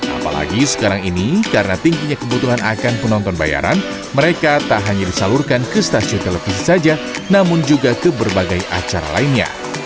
apalagi sekarang ini karena tingginya kebutuhan akan penonton bayaran mereka tak hanya disalurkan ke stasiun televisi saja namun juga ke berbagai acara lainnya